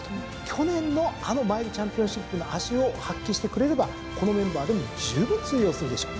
去年のあのマイルチャンピオンシップの脚を発揮してくれればこのメンバーでもじゅうぶん通用するでしょう。